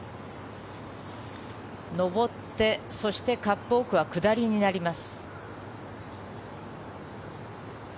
上ってそしてカップ奥は下りになります。